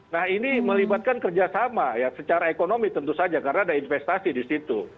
nah ini melibatkan kerjasama ya secara ekonomi tentu saja karena ada investasi di situ